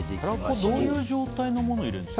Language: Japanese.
タラコどういう状態のものを入れるんですか？